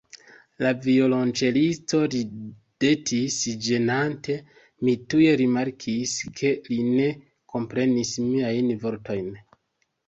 La violonĉelisto ridetis ĝenate; mi tuj rimarkis, ke li ne komprenis miajn vortojn.